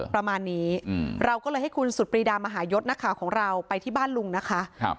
ประมาณนี้เราก็เลยให้คุณสุดปรีดามหายศนักข่าวของเราไปที่บ้านลุงนะคะ